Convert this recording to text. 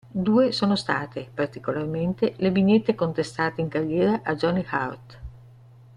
Due sono state, particolarmente, le vignette contestate in carriera a Johnny Hart.